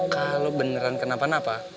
kalau beneran kenapa apa